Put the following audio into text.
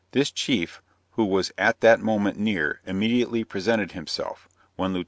This Chief, who was at that moment near, immediately presented himself, when Lieut.